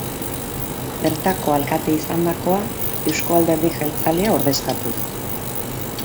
Bertako alkate izandakoa Eusko Alderdi Jeltzalea ordezkatuz.